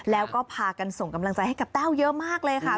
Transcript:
แล้วก็พากันส่งกำลังใจให้กับแต้วเยอะมากเลยค่ะ